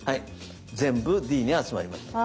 全部Ｄに集まりました。